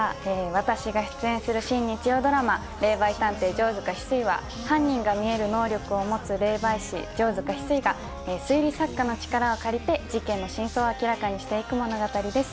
私が出演する新日曜ドラマ、霊媒探偵・城塚翡翠は、犯人が視える能力を持つ霊媒師、城塚翡翠が推理作家の力を借りて、事件の真相を明らかにしていく物語です。